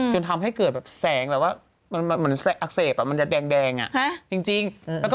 จนทำให้เกิดแสงแบบว่าอักเสบมันจะแดงจริง